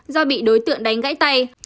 do bị đối tượng đánh gãy tay